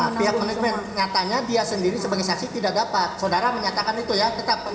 pihak manajemen nyatanya dia sendiri sebagai saksi tidak dapat saudara menyatakan itu ya